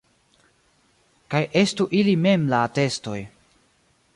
Kaj estu ili mem la atestoj.